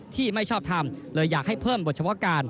ไม่ชอบทำเลยอยากให้เพิ่มบทเฉพาะการ